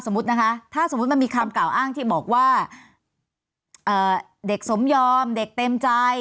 นะคะถ้าสมมุติมันมีคำกล่าวอ้างที่บอกว่าเด็กสมยอมเด็กเต็มใจ